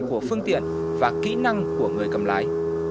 của phương tiện và kỹ năng của người cầm lái